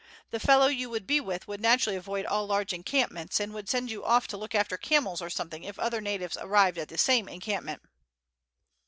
The fellow you would be with would naturally avoid all large encampments, and would send you off to look after camels or something if other natives arrived at the same encampment."